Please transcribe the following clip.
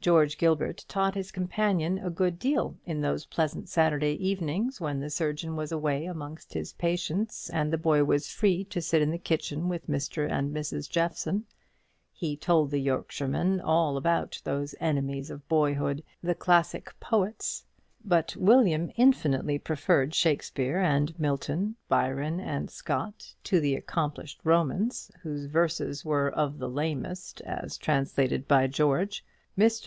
George Gilbert taught his companion a good deal in those pleasant Saturday evenings, when the surgeon was away amongst his patients, and the boy was free to sit in the kitchen with Mr. and Mrs. Jeffson. He told the Yorkshireman all about those enemies of boyhood, the classic poets; but William infinitely preferred Shakespeare and Milton, Byron and Scott, to the accomplished Romans, whose verses were of the lamest as translated by George. Mr.